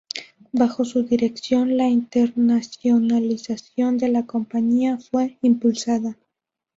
Bajo su dirección, la internacionalización de la compañía fue impulsada.